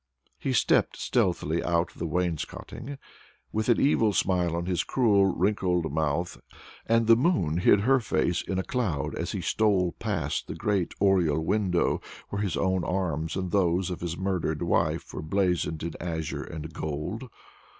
He stepped stealthily out of the wainscoting, with an evil smile on his cruel, wrinkled mouth, and the moon hid her face in a cloud as he stole past the great oriel window, where his own arms and those of his murdered wife were blazoned in azure and gold.